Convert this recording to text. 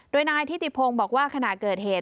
โดยนายทิติพงศ์บอกว่าขณะเกิดเหตุ